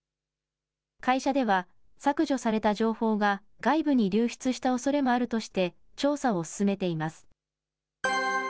会社では、削除された情報が外部に流出したおそれもあるとして調査を進めています。